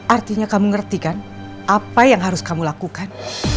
artinya kamu ngerti kan apa yang harus kamu lakukan